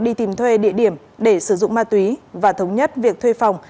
đi tìm thuê địa điểm để sử dụng ma túy và thống nhất việc thuê phòng